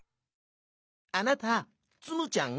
「あなたツムちゃん？」。